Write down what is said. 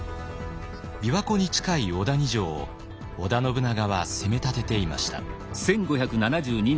琵琶湖に近い小谷城を織田信長は攻めたてていました。